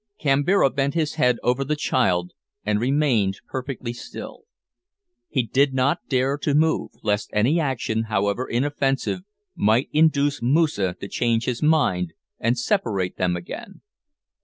Kambira bent his head over the child and remained perfectly still. He did not dare to move, lest any action, however inoffensive, might induce Moosa to change his mind and separate them again.